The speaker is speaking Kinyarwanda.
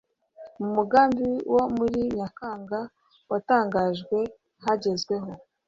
mu mugambi wo muri nyakanga watangajwe wagezweho